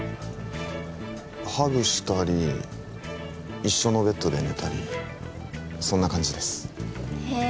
ハグしたり一緒のベッドで寝たりそんな感じですへえ